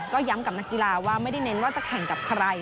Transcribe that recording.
ก็ย้ำกับนักกีฬาว่าไม่ได้เน้นว่าจะแข่งกับใคร